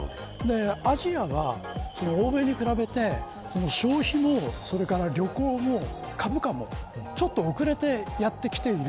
アジアは欧米に比べて消費も、旅行も株価もちょっと遅れてやってきている。